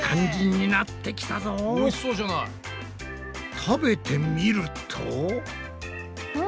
食べてみると。